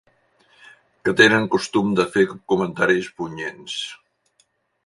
Que tenen costum de fer comentaris punyents.